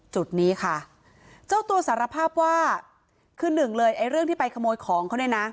จุดนี้ค่ะเจ้าตัวสารภาพว่าคือหนึ่งเลยไอ้เรื่องที่ไปขโมยของเขาเนี่ยนะ